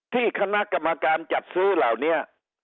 ที่คณะกรรมการจัดซื้อเหล่านี้